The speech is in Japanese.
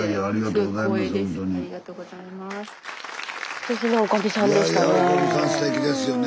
すてきなおかみさんでしたね。